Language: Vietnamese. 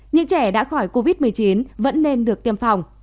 những trẻ đã khỏi covid một mươi chín vẫn nên được tiêm phòng